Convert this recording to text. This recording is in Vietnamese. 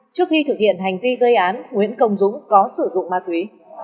trước khi thực hiện hành vi gây án nguyễn công dũng có sử dụng ma túy